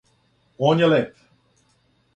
Он је леп.